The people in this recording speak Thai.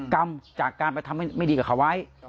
กรรมจากการไปทำไม่ดีกับขวาย